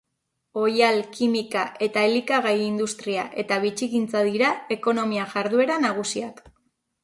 Oihal-, kimika- eta elikagai-industria eta bitxigintza dira ekonomia-jarduera nagusiak.